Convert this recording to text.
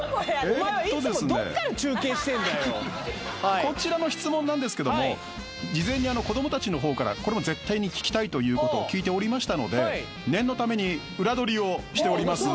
お前は。こちらの質問なんですけども事前にこどもたちのほうからこれも絶対に聞きたいということ聞いておりましたので念のために裏どりをしております